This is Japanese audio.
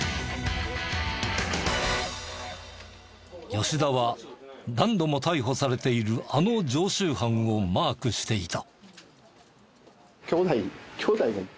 吉田は何度も逮捕されているあの常習犯をマークしていた。